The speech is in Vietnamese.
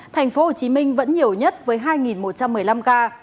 thành phố hồ chí minh vẫn nhiều nhất với hai một trăm một mươi năm ca